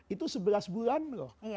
itu sebelas bulan loh